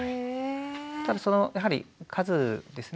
ただそのやはり数ですね。